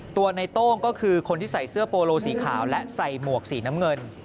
ตัวในโต้งก็คือคนที่ใส่เสื้อโปโลสีขาวและใส่หมวกสีน้ำเงิน